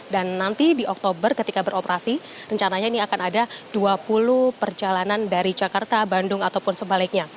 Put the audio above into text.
dan nanti di oktober ketika beroperasi rencananya ini akan ada dua puluh perjalanan dari jakarta bandung ataupun sebaliknya